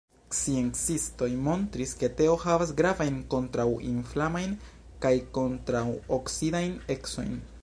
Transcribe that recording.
Sciencistoj montris, ke teo havas gravajn kontraŭinflamajn kaj kontraŭoksidajn ecojn.